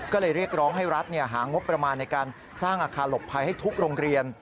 ก็เลยเรียกร้องให้รัฐหางบประมาณในการสร้างอาคารหลบภัยให้ทุกโรงเรียน